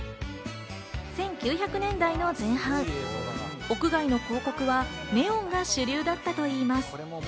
１９００年代の前半、屋外の広告はネオンが主流だったといいます。